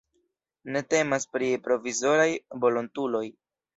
Ne temas pri "provizoraj" volontuloj.